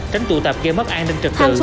tránh tụ tập gây mất an ninh trật tự